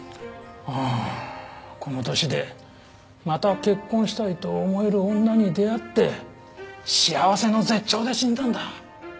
ああこの年でまた結婚したいと思える女に出会って幸せの絶頂で死んだんだ。